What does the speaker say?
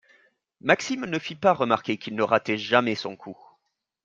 Maxime ne fit pas remarquer qu’il ne ratait jamais son coup